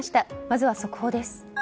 まずは速報です。